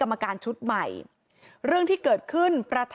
และมีการเก็บเงินรายเดือนจริง